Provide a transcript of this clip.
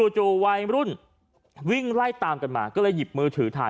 จู่วัยรุ่นวิ่งไล่ตามกันมาก็เลยหยิบมือถือถ่าย